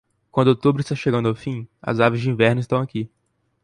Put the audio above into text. Quando outubro está chegando ao fim, as aves de inverno estão aqui.